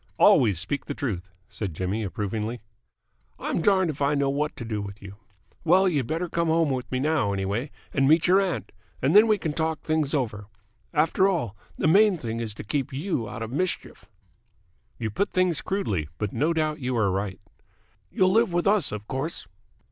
"Always speak the truth," said Jimmy approvingly. "I'm darned if I know what to do with you. Well, you'd better come home with me now, anyway, and meet your aunt, and then we can talk things over. After all, the main thing is to keep you out of mischief." "You put things crudely, but no doubt you are right." "You'll live with us, of course."